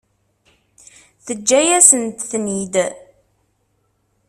Teǧǧa-yasent-ten-id.